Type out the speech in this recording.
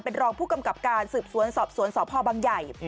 เป็นรองผู้กำกับการสืบสวนสอบสวนสพบังใหญ่